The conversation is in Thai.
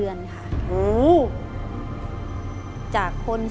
ร้องได้ให้ร้อง